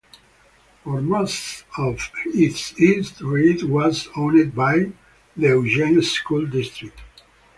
For most of its history it was owned by the Eugene School District.